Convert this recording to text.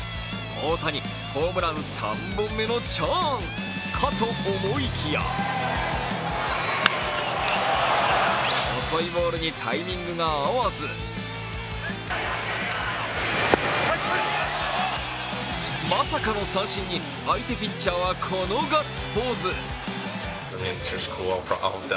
大谷、ホームラン３本目のチャンスかと思いきや遅いボールにタイミングが合わずまさかの三振に相手ピッチャーはこのガッツポーズ。